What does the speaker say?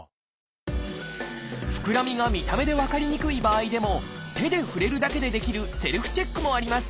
ふくらみが見た目で分かりにくい場合でも手で触れるだけでできるセルフチェックもあります。